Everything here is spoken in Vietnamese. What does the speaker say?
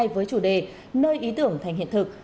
với chủ đề nơi ý tưởng thành hiện thực